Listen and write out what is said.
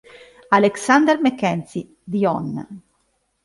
Alexander Mackenzie, the Hon.